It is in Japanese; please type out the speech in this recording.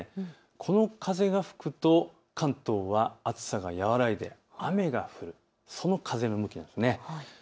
この風が吹くと関東は暑さが和らいで雨が降る、その風の向きなんです。